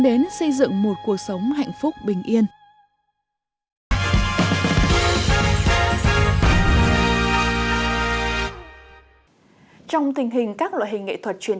đến xây dựng một cuộc sống hạnh phúc bình yên trong tình hình các loại hình nghệ thuật truyền